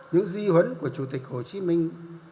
những di huấn của chủ tịch hồ chí minh